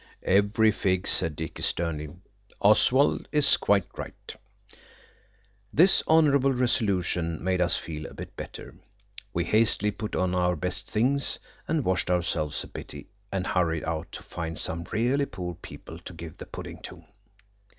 "Every fig," said Dicky sternly. "Oswald is quite right." This honourable resolution made us feel a bit better. We hastily put on our best things, and washed ourselves a bit, and hurried out to find some really poor people to give the pudding to.